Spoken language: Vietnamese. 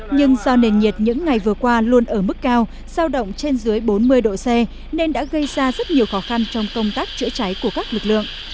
nhưng do nền nhiệt những ngày vừa qua luôn ở mức cao giao động trên dưới bốn mươi độ c nên đã gây ra rất nhiều khó khăn trong công tác chữa cháy của các lực lượng